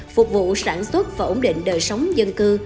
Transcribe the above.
phục vụ sản xuất và ổn định đời sống dân cư